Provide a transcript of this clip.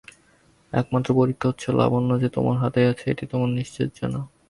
একমাত্র পরীক্ষা হচ্ছে, লাবণ্য যে তোমার হাতেই আছে এইটি তোমার নিশ্চিত জানা।